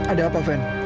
ada apa van